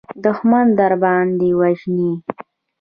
دښمن درباندې وژني.